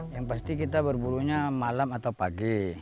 yang pasti kita berburunya malam atau pagi